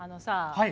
はい。